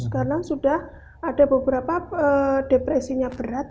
karena sudah ada beberapa depresinya berat